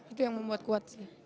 itu yang membuat kuat sih